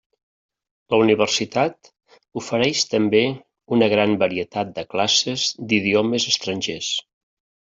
La universitat ofereix també una gran varietat de classes d'idiomes estrangers.